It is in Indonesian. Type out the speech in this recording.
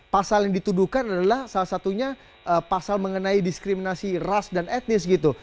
pasal yang dituduhkan adalah salah satunya pasal mengenai diskriminasi ras dan etnis gitu